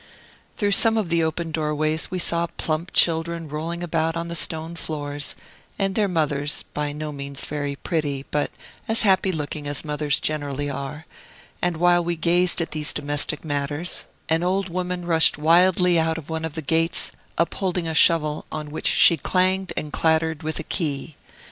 Through some of the open doorways we saw plump children rolling about on the stone floors, and their mothers, by no means very pretty, but as happy looking as mothers generally are; and while we gazed at these domestic matters, an old woman rushed wildly out of one of the gates, upholding a shovel, on which she clanged and clattered with a key.